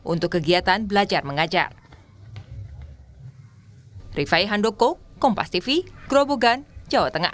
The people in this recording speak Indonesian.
untuk kegiatan belajar mengajar hai rifai handoko kompas tv grobogan jawa tengah